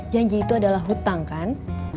janji itu adalah hutang kan